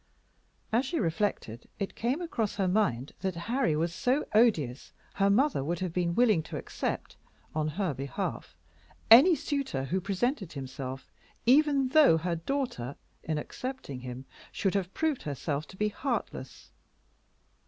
As she reflected it came across her mind that Harry was so odious that her mother would have been willing to accept on her behalf any suitor who presented himself, even though her daughter, in accepting him, should have proved herself to be heartless.